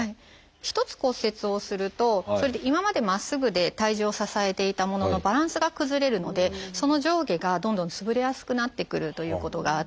一つ骨折をすると今までまっすぐで体重を支えていたもののバランスが崩れるのでその上下がどんどんつぶれやすくなってくるということがあって。